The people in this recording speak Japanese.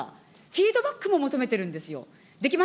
フィードバックも求めてるんですよ。